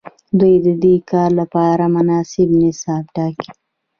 دوی ددې کار لپاره مناسب نصاب ټاکي.